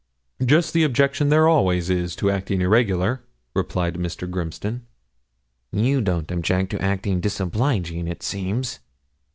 'Just the objection there always is to acting irregular,' replied Mr. Grimston. 'You don't object to act disobliging, it seems.'